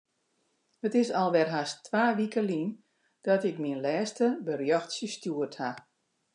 It is alwer hast twa wike lyn dat ik myn lêste berjochtsje stjoerd haw.